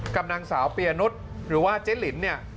กับนางสาวเปียนุษย์หรือว่าเจ๊หลินเนี่ย